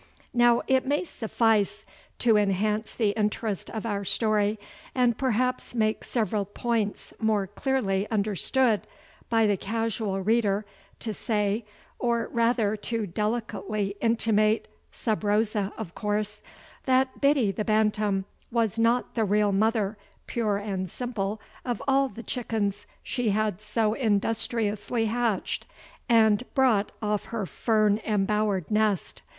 Now it may suffice to enhance the interest of our story and perhaps make several points more clearly understood by the casual reader to say, or rather to delicately intimate, sub rosa, of course, that Biddy the Bantam was not the real mother pure and simple of all the chickens she had so industriously hatched and brought off her fern embowered nest.